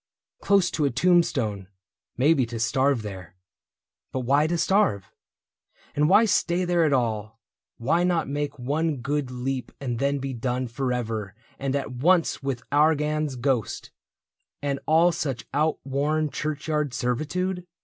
Close to a tombstone — maybe to starve there. But why to starve ? And why stay there at all ? Why not make one good leap and then be done Forever and at once with Argan's ghost And all such outworn churchyard servitude